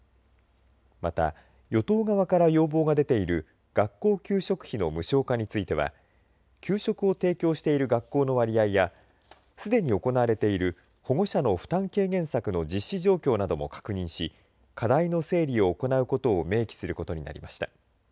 また、与党側から要望が出ている学校給食費の無償化については給食を提供している学校の割合やすでに行われている保護者の負担軽減策の実施状況なども確認し課題の整理を行うことを明記することになりました。